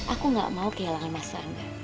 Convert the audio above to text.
aku gak mau kehilangan mas rangga